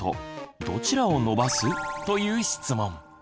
どちらを伸ばす？という質問。